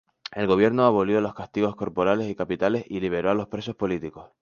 El gobierno abolió los castigos corporales y capitales y liberó a los presos políticos.